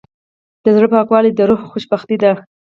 د زړه پاکوالی د روح خوشبختي ده.